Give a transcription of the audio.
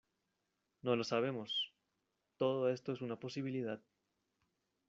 no lo sabemos. todo esto es una posibilidad